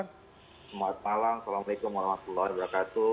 selamat malam assalamualaikum warahmatullahi wabarakatuh